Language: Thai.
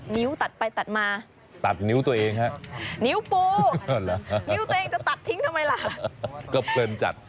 นี่คุณผู้ชม